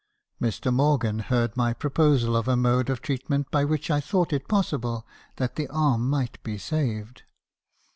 "Mr. Morgan heard my proposal of a mode of treatment by which I thought it possible that the arm might be saved.